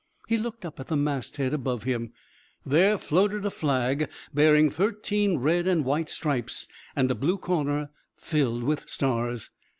He looked up at the masthead above him. There floated a flag bearing thirteen red and white stripes and a blue corner filled with stars.